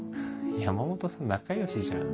山本さん仲良しじゃん。